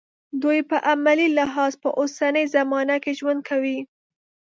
دوی په عملي لحاظ په اوسنۍ زمانه کې ژوند کوي.